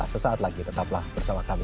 sesaat lagi tetaplah bersama kami